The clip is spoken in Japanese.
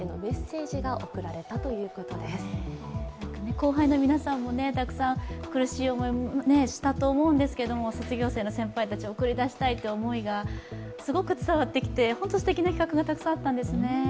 後輩の皆さんもたくさん苦しい思いをしたと思うんですけど卒業生の先輩たちを送り出したいという思いがすごくあって本当にすてきな企画がたくさんあったんですね。